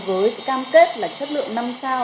với cam kết là chất lượng năm sao